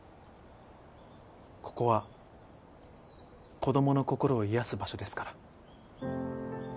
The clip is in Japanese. ここは子どものこころを癒やす場所ですから。